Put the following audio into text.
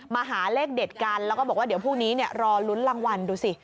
หาเลขเด็ดกันแล้วก็บอกว่าเดี๋ยวพรุ่งนี้รอลุ้นรางวัลดูสิ